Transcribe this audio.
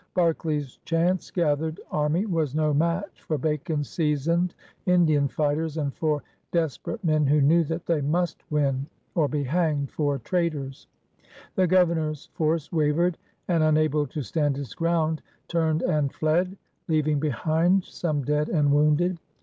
Berkeley's chance gathered army was no match for Bacon's seasoned Indian fighters and for desperate men who knew that they must win or be hanged for traitors. The Governor's force wavered and, un able to stand its ground, turned and fled, leaving behind some dead and wounded.